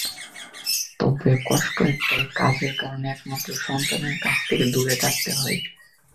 তবে কষ্ট একটাই, কাজের কারণে একমাত্র সন্তানের কাছ থেকে দূরে থাকতে হয়।